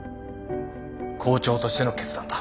校長としての決断だ。